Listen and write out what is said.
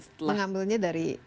setelah mengambilnya dari